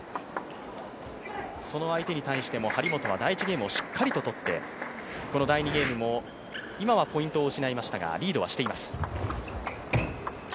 そんな相手に対しても、張本は第１ゲームをしっかりと取ってこの第２ゲームも今はポイントを失いましたがリードはしています。